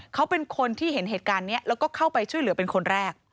เขาเป็นคนที่เห็นเหตุการณ์นี้แล้วก็เข้าไปช่วยเหลือเป็นคนแรก